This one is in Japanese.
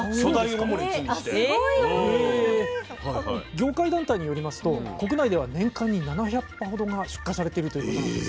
業界団体によりますと国内では年間に７００羽ほどが出荷されてるということなんです。